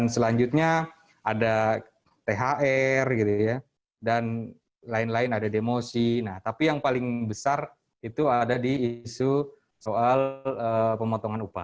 selanjutnya ada thr gitu ya dan lain lain ada demosi nah tapi yang paling besar itu ada di isu soal pemotongan upah